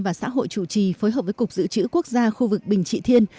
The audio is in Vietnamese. và xã hội chủ trì phối hợp với cục dự trữ quốc gia khu vực bình trị thiên